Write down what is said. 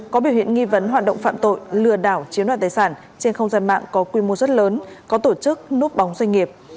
có biểu hiện nghi vấn hoạt động phạm tội lừa đảo chiếm đoạt tài sản trên không gian mạng có quy mô rất lớn có tổ chức núp bóng doanh nghiệp